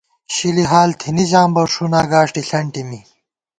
شلی حال تھنی ژام بہ، ݭُنا گاݭٹے ݪنٹی می